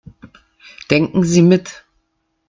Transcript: Denken Sie mit.